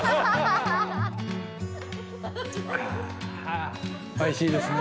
あおいしいですね。